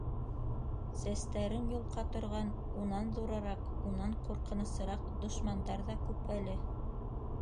Сәстәрен йолҡа торған унан ҙурыраҡ, унан ҡурҡынысыраҡ дошмандар ҙа күп әле.